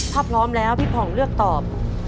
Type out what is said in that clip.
ถ้าพร้อมแล้วพี่ผ่องเลือกตอบ